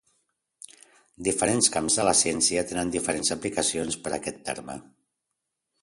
Diferents camps de la ciència tenen diferents aplicacions per a aquest terme.